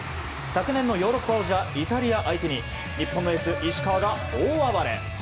昨年のヨーロッパ王者イタリア相手に日本のエース、石川が大暴れ。